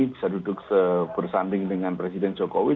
bisa duduk bersanding dengan presiden jokowi